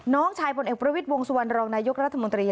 น้องชายพลเอกประวิทย์วงสุวรรณรองนายกรัฐมนตรี